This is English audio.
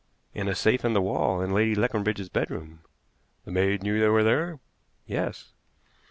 "In a safe in the wall in Lady Leconbridge's bedroom." "The maid knew they were there?" "Yes."